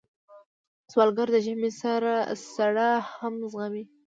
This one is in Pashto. سوالګر د ژمي سړه هم زغمي